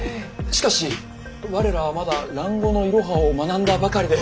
しかし我らはまだ蘭語のイロハを学んだばかりで。